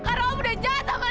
karena om udah jahat sama lia